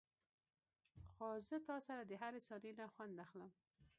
خو زه تاسره دهرې ثانيې نه خوند اخلم.